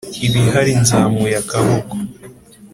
ibihari nzamuye akaboko